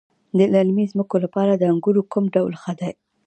د للمي ځمکو لپاره د انګورو کوم ډول ښه دی؟